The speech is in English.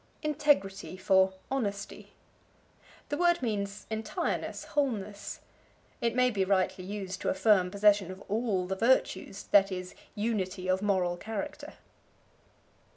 Integrity for Honesty. The word means entireness, wholeness. It may be rightly used to affirm possession of all the virtues, that is, unity of moral character.